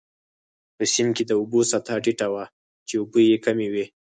په سیند کې د اوبو سطحه ټیټه وه، چې اوبه يې کمې وې.